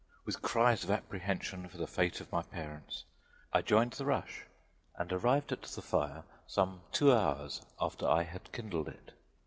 With cries of apprehension for the fate of my parents, I joined the rush and arrived at the fire some two hours after I had kindled it.